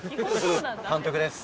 監督です。